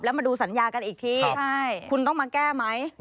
มาดูสัญญากันอีกทีคุณต้องมาแก้ไหม